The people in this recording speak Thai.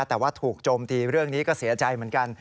แต่ว่าถูกโจมตีเรื่องนี้ก็เสียใจเหมือนกัน